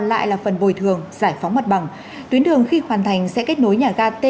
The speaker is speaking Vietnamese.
lại là phần bồi thường giải phóng mặt bằng tuyến đường khi hoàn thành sẽ kết nối nhà ga t